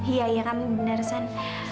iya iya kamu benar san